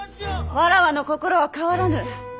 わらわの心は変わらぬ。